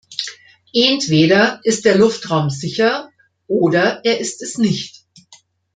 Entweder ist der Luftraum sicher, oder er ist es nicht.